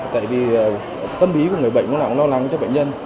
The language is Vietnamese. tại vì tâm bí của người bệnh nó lại lo lắng cho bệnh nhân